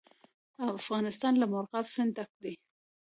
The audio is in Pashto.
افغانستان له مورغاب سیند ډک دی.